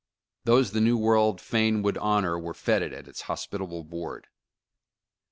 Those the new world fain would honor were feted at its hospitable board.